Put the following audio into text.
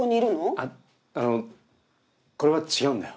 あっあのこれは違うんだよ。